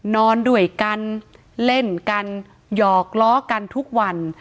นอนด้วยกันเล่นกันหยอกล้อกันทุกวัน